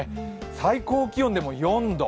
最高気温でも４度。